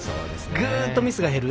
ぐっとミスが減る。